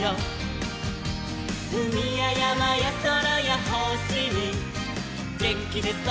「うみややまやそらやほしにげんきです！